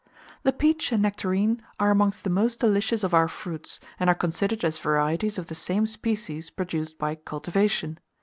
The peach and nectarine are amongst the most delicious of our fruits, and are considered as varieties of the same species produced by cultivation.